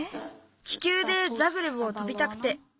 気球でザグレブを飛びたくて。